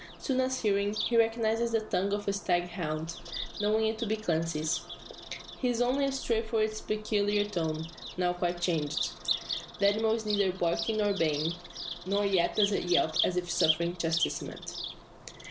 Soon as hearing, he recognises the tongue of a stag hound, knowing it to be Clancy's. He is only astray about its peculiar tone, now quite changed. The animal is neither barking nor baying; nor yet does it yelp as if suffering chastisement.